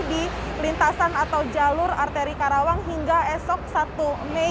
di lintasan atau jalur arteri karawang hingga esok satu mei